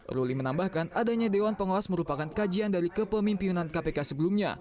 ruli menambahkan adanya dewan pengawas merupakan kajian dari kepemimpinan kpk sebelumnya